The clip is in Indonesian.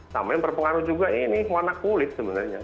sama yang berpengaruh juga ini warna kulit sebenarnya